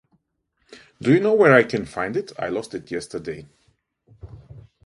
Do you know where I can find it, I lost it yesterday.